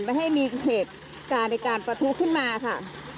ไม่ให้มีเหตุการณ์ในการประทุขึ้นมาค่ะ